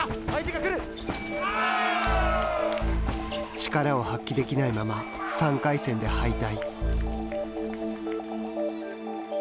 力を発揮できないまま３回戦で敗退。